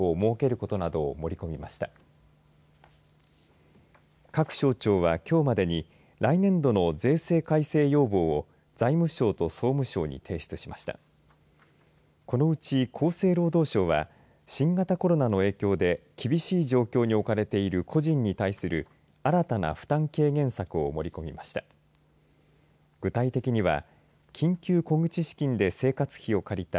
このうち厚生労働省は新型コロナの影響で厳しい状況に置かれている個人に対する新たな負担軽減策を盛り込みました。